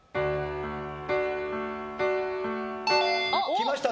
きました！